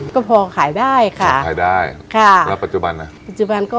ก็พอขายได้ค่ะขายได้ค่ะแล้วปัจจุบันนะปัจจุบันก็